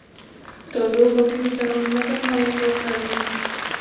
په تودو اوبو کې د ترمامتر مایع پورته ځي.